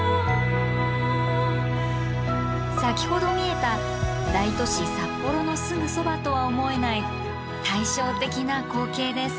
先ほど見えた大都市札幌のすぐそばとは思えない対照的な光景です。